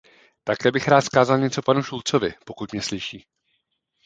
Také bych rád něco vzkázal panu Schulzovi, pokud mě slyší.